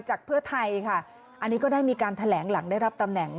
จากเพิ่งไทยนั้นก็มีการแถลงหลังได้รับปำแหน่ง